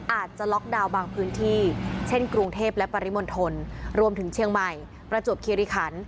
อาจจะล็อกดาวน์บางพื้นที่เช่นกรุงเทพและปริมณฑลรวมถึงเชียงใหม่ประจวบคิริขัน